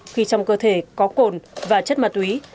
khi trong cơ thể có cồn và chất mặt úy